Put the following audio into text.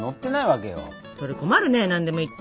それ困るね何でもいいって。